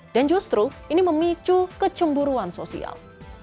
dan justru ini memicu kecemburuan sosial